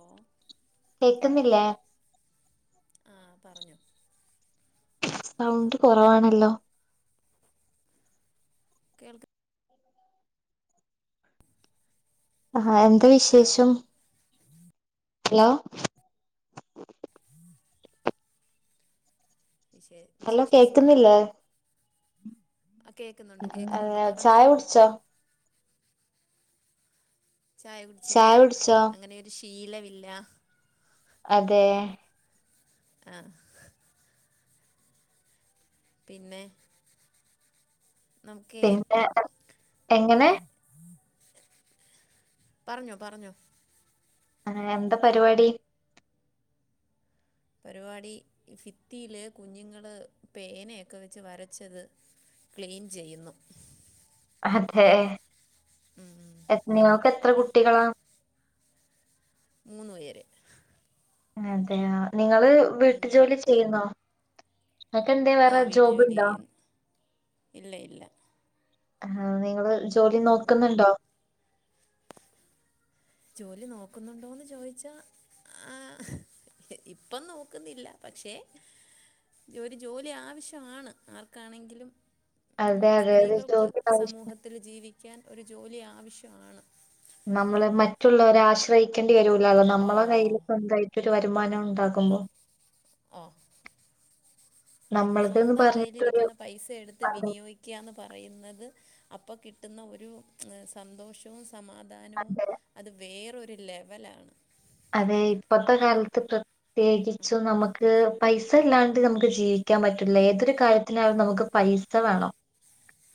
ഓ കേക്ക്‌ന്നില്ലേ ആഹ് പറഞ്ഞൊ സൗണ്ട് കൊറവാണല്ലോ കേൾക്ക ആഹ് എന്ത ഹലോ വിശേഷം ഹലോ വിശേ ഹലോ വിശേഷം സുഖം കേക്കുന്നില്ലേ ആ കേൾക്കുന്നുണ്ട് കേൾക്കുന്നുണ്ട് [unintelligible] പറഞ്ഞോ ചായ കുടിച്ചോ? ചായ കുടിച്ചില്ല ചായ കുടിച്ചോ അങ്ങനൊരു ശീ ശീലവില്ല. അതെ. ആ. പിന്നെ നമുക്കേ പിന്നെ എങ്ങനെ? പറഞ്ഞോ പറഞ്ഞോ ആ എന്താ പരിപാടി? പരിപാടി ഫിത്തിയില് കുഞ്ഞുങ്ങള് പേനയൊക്കെ വെച്ച് വരച്ചത് ക്ലീൻ ചെയ്യുന്നു. അതെ. നിങ്ങൾക്ക് എത്ര ഈ കുട്ടികളാ? മൂന്ന് പേര്. അതെയാ നിങ്ങള് വീട്ടു ജോലി ചെയ്യുന്നോ? നിങ്ങക്ക് എന്താ ആ വേറെ വീട്ടു ജോലി ജോബുണ്ടോ? ചെയ്യുന്നു ഇല്ല ഇല്ല. ആഹ നിങ്ങള് ജോലി നോക്കുന്നുണ്ടോ? ജോലി നോക്കുന്നുണ്ടോന്ന് ചോദിച്ചാൽ, ഇപ്പം നോക്കുന്നില്ല പക്ഷേ ഒരു ജോലി ആവശ്യമാണ് ആര്ക്കാണെങ്കിലും അതെ അതെ ഒരു സ്ത്രീകൾക്ക് ജോലി ആവശ്യം സമൂഹത്തിൽ ജീവിക്കാൻ ഒരു ജോലി ആവശ്യമാണ്. നമ്മള് മറ്റുള്ളവരെ ആശ്രയിക്ക വരൂലല്ലോ ഓ നമ്മള കയ്യിൽ സ്വന്തായിട്ട് വരുമാനം ഉണ്ടാക്കുമ്പോ ആ നമ്മളതെന്ന് സ്വന്തം പറഞ്ഞിട്ടൊരു കയ്യിലിരിക്കുന്ന പൈസ എടുത്ത് അതെ വിനിയോഗിക്കുകാന്ന് പറയുന്ന അപ്പൊ കിട്ടുന്ന ഒരു സന്തോഷവും സമാധാനവും അതെ അത് വേറരു ഒരു ലെവലാണ്. അതെ ഇപ്പത്തെ കാലത്ത് പ്രത്യേകിച്ചും നമുക്ക് പൈസ ഇല്ലാണ്ട് നമുക്ക് ജീവിക്കാൻ പറ്റില്ല ഏതൊരു കാര്യത്തിനാലും നമുക്ക് പൈസ വേണം.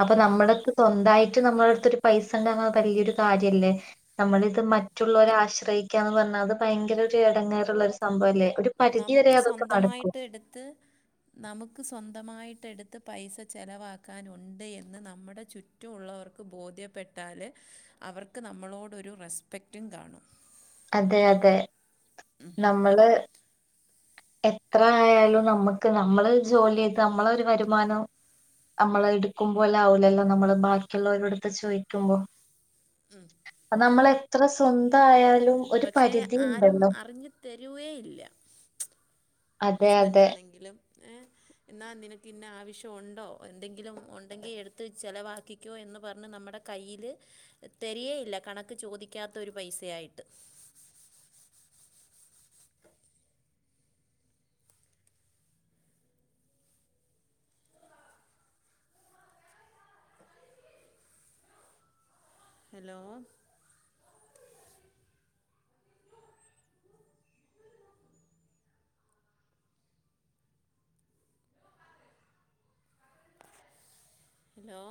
അപ്പൊ നമ്മുടെ സ്വന്തായി നമ്മള അടുത്തൊരു പൈസ ഉണ്ട വലിയൊരു കാര്യല്ലേ? നമ്മളിത് മറ്റുള്ളൊരാശ്ര [unintelligible] അത് ഭയങ്കര അടങ്ങാറുള്ള ഒരു സംഭവല്ലേ ഒരു പരിധി വരെ നമുക്ക് അതൊക്കെ നടക്കും സ്വന്തമായിട്ട് സ്വന്തമായിട്ടെടുത്ത് പൈസ ചെലവാക്കാനുണ്ട് എന്ന് നമ്മടെ ചുറ്റുമുള്ളവർക്ക് ബോധ്യപ്പെട്ടാല് അവർക്ക് നമ്മളോടൊരു റെസ്പെക്റ്റും കാണും അതെ അതെ നമ്മള് എത്ര ആയാലും നമ്മുക്ക് നമ്മള് ജോലിയ്ത് നമ്മളൊരു വരുമാനം നമ്മള് എടുക്കുമ്പോല്ലാം ഓലെല്ലാം നമ്മള് ബാക്കിയുള്ളവരുടുത്ത് ചോയിക്കുമ്പോ ഉം നമ്മളെത്ര സ്വന്തയാൽ ഒരു പക്ഷേ പരിധി ആരും ഇണ്ടല്ലോ അറിഞ്ഞു തരുവേ ഇല്ല അതെ അതെ. ഹസ്ബന്റാണെങ്കിലും ഏ എന്നാ നിനക്കിന്നാ ആവശ്യ ഒണ്ടോ എന്തെങ്കിലും ഉണ്ടെങ്കി എടുത്ത് ചെലവാക്കിക്കോ എന്ന് പറഞ്ഞ് നമ്മുടെ കയ്യിൽ തരിയേയില്ല കണക്ക് ചോദിക്കാത്ത ഒരു പൈസയായിട്ട് ത്ത് ഹലോ ഹലോ